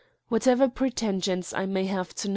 Whatever pretensions I may have to.